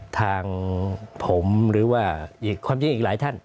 ทางผมความจริงอีกหลายท่าน